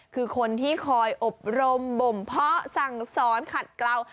คือคนที่คอยอบรมบ่มเพาะสั่งสอนขัดเกลา